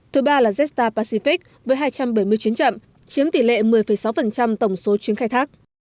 thứ ba là jetstar pacific với hai trăm bảy mươi chuyến chậm chiếm tỷ lệ một mươi sáu tổng số chuyến khai thác